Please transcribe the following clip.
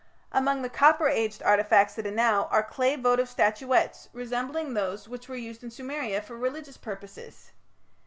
Among the Copper Age artifacts at Anau are clay votive statuettes resembling those which were used in Sumeria for religious purposes.